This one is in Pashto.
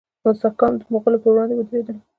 سکام د مغولو پر وړاندې ودریدل.